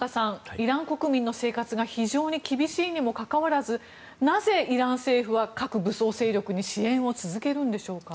イラン国民の生活が非常に厳しいにもかかわらずなぜ、イラン政府は各武装勢力に支援を続けるんでしょうか。